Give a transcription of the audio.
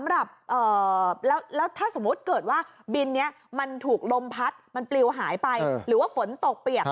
แล้วถ้าสมมุติเกิดว่าบินนี้มันถูกลมพัดมันปลิวหายไปหรือว่าฝนตกเปียก